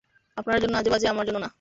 আপনার জন্য আজেবাজে, আমার জন্য না।